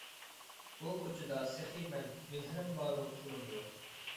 بۇ كۇچىدا سېخى مەن، مېھرىم بارۇ پۇلۇم يوق،